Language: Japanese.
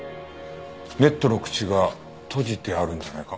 ネットの口が閉じてあるんじゃないか？